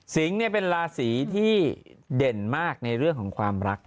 เป็นราศีที่เด่นมากในเรื่องของความรัก